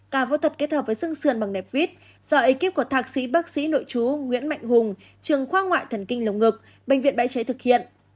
ca phẫu thuật kết hợp với sưng sườn bằng nẹp vít do ekip của thạc sĩ bác sĩ nội chú nguyễn mạnh hùng trường khoa ngoại thần kinh lồng ngực bệnh viện bãi chế thực hiện